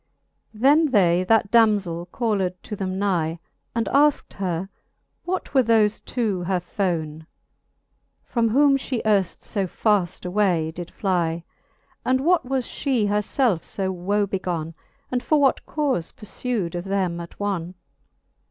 XVI. Then they that damzell called to then nie, And aiked her, what were thofe two her fone, From whom fhe earft {o faft away did fiie \ And what was fhe her felfe fe woe begone, And for what caufe purfu'd of them attone.